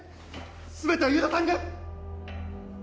全ては遊田さんが。